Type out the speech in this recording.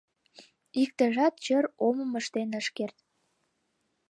Иктыжат чыр омым ыштен ыш керт.